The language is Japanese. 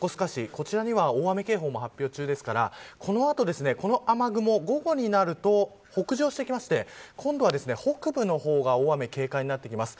こちらには大雨警報も発表中ですからこの後、この雨雲午後になると北上してきまして今度は北部の方が大雨警戒になってきます。